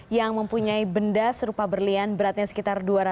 yang mempunyai benda serupa berlian beratnya sekitar dua ratus